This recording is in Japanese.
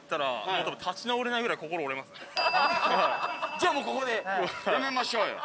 じゃあもうここでやめましょうよ。